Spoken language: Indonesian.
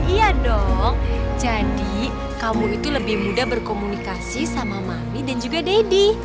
iya dong jadi kamu itu lebih mudah berkomunikasi sama mami dan juga deddy